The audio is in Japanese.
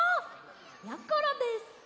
やころです！